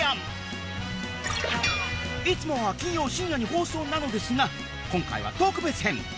いつもは金曜深夜に放送なのですが今回は特別編！